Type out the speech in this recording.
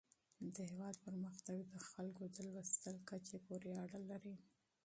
د هیواد پرمختګ د خلکو د مطالعې کچې پورې اړه لري.